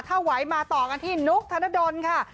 ถ้าไหวมาต่อกันที่นุ๊กธนดลค่ะ